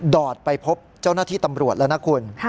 อดไปพบเจ้าหน้าที่ตำรวจแล้วนะคุณ